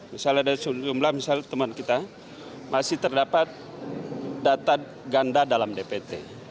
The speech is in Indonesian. misalnya dari sejumlah misalnya teman kita masih terdapat data ganda dalam dpt